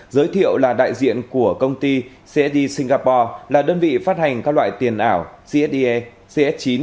giới thiệu là đại diện của công ty cd singapore là đơn vị phát hành các loại tiền ảo csi cs chín